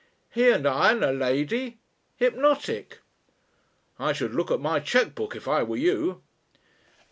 He and I and a lady. Hypnotic " "I should look at my cheque book if I were you."